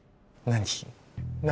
何？